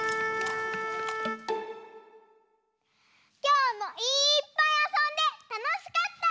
きょうもいっぱいあそんでたのしかった！